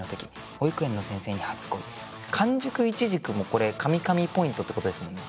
「保育園の先生に初恋」「完熟いちじく」もこれ噛み噛みポイントってことですもんね